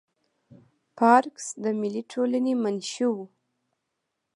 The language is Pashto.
پارکس د ملي ټولنې منشي وه.